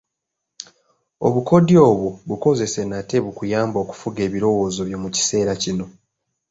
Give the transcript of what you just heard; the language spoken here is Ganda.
Obukodyo obwo bukozese nate bukuyambe okufuga ebirowoozo byo mu kiseera kino.